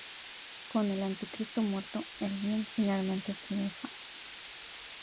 Con el Anticristo muerto, el bien finalmente triunfa.